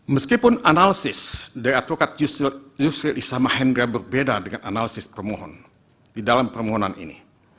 meskipun analisis dari advokat yusril isamahendra berbeda dengan analisis permohon di dalam permohonan ini